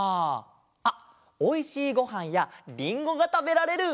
あっおいしいごはんやりんごがたべられる！